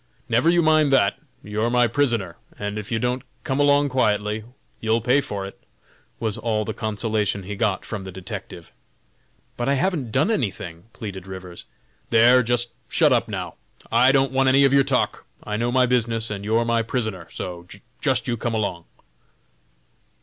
"Never you mind that! you're my prisoner, and if you don't come along quietly, you'll pay for it!" was all the consolation he got from the detective. "But I haven't done anything," pleaded Rivers. "There, just shut up, now! I don't want any of your talk. I know my business, and you're my prisoner; so just you come along."